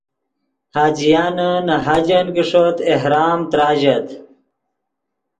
حاجیان نے حاجن کہ ݰوت احرام تراژت